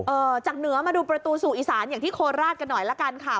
จากเหนือมาดูประตูสู่อีสานอย่างที่โคราชกันหน่อยละกันค่ะ